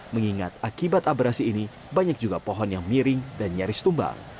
mengingat akibat abrasi ini banyak juga pohon yang miring dan nyaris tumbang